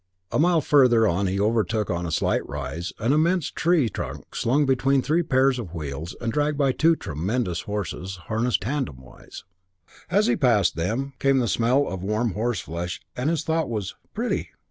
A mile farther on he overtook, on a slight rise, an immense tree trunk slung between three pairs of wheels and dragged by two tremendous horses, harnessed tandemwise. As he passed them came the smell of warm horseflesh and his thought was "Pretty!"